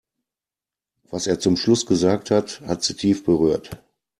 Was er zum Schluss gesagt hat, hat sie tief berührt.